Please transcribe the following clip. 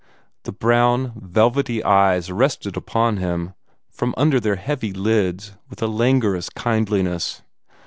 The brown, velvety eyes rested upon him, from under their heavy lids, with a languorous kindliness.